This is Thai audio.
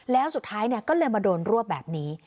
แล้วสุดท้ายก็เลยมาโดนรวบแบบนี้